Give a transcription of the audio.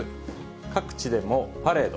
各地でもパレード。